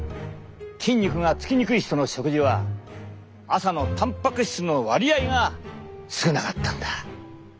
筋肉がつきにくい人の食事は朝のたんぱく質の割合が少なかったんだ！